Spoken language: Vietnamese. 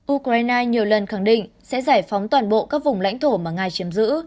ukraine nhiều lần khẳng định sẽ giải phóng toàn bộ các vùng lãnh thổ mà nga chiếm giữ